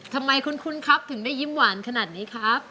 ทำไมคุณครับถึงได้ยิ้มหวานขนาดนี้ครับ